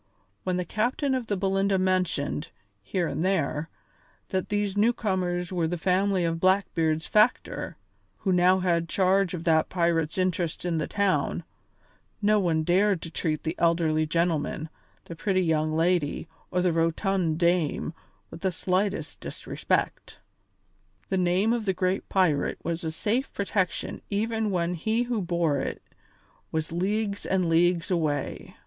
When the captain of the Belinda mentioned, here and there, that these newcomers were the family of Blackbeard's factor, who now had charge of that pirate's interests in the town, no one dared to treat the elderly gentleman, the pretty young lady, or the rotund dame with the slightest disrespect. The name of the great pirate was a safe protection even when he who bore it was leagues and leagues away.